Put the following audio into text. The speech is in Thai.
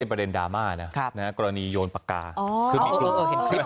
เป็นประเด็นดราม่านะครับนะฮะกรณีโยนปากกาอ๋อเออเออเห็นคลิป